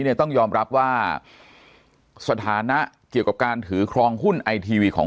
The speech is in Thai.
เนี่ยต้องยอมรับว่าสถานะเกี่ยวกับการถือครองหุ้นไอทีวีของ